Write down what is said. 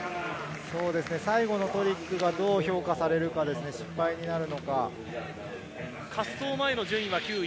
最後のトリックが、どう評価されるかですね、失敗になるのか。